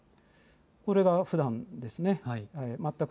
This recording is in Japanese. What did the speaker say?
これがふだんですね。